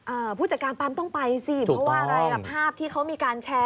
ผู้จัดการปั๊มต้องไปสิเพราะว่าอะไรล่ะภาพที่เขามีการแชร์